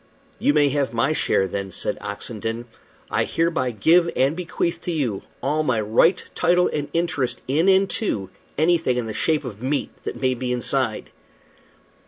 "You may have my share, then," said Oxenden. "I hereby give and bequeath to you all my right, title, and interest in and to anything in the shape of meat that may be inside."